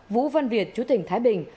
vũ văn việt trú tỉnh thái bình